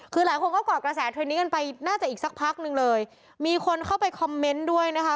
คือหลายคนก็ก่อกระแสเทรนดนี้กันไปน่าจะอีกสักพักนึงเลยมีคนเข้าไปคอมเมนต์ด้วยนะคะ